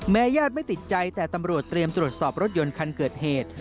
ญาติไม่ติดใจแต่ตำรวจเตรียมตรวจสอบรถยนต์คันเกิดเหตุ